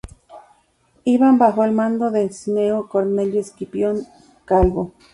Iban bajo el mando de Cneo Cornelio Escipión Calvo.